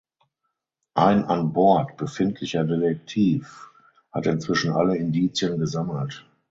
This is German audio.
Ein an Bord befindlicher Detektiv hat inzwischen alle Indizien gesammelt.